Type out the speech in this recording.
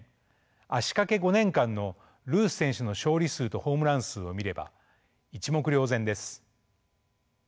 足かけ５年間のルース選手の勝利数とホームラン数を見れば一目瞭然です。